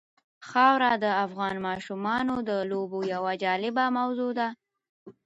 خاوره د افغان ماشومانو د لوبو یوه جالبه موضوع ده.